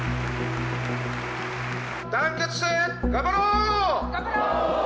団結して頑張ろう！